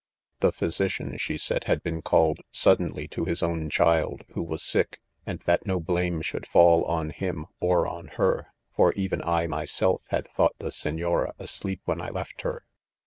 The physician 3 she said, had been called suddenly^ to' his own child, who was sick ; and that no blame should fall on him or on her, for even I, myself, had thought the Senora asleep when I left her.